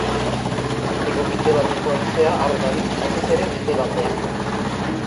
Hego-mendebaldeko haizea harro dabil, batez ere mendebaldean.